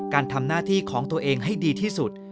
การทำหน้าที่ของตัวเองให้ดีที่สุด